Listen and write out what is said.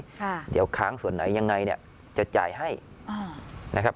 ค่ะเดี๋ยวค้างส่วนไหนยังไงเนี่ยจะจ่ายให้อ่านะครับ